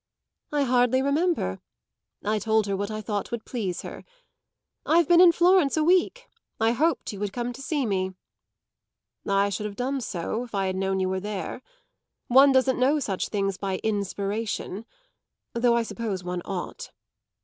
"I hardly remember. I told her what I thought would please her. I've been in Florence a week. I hoped you would come to see me." "I should have done so if I had known you were there. One doesn't know such things by inspiration though I suppose one ought.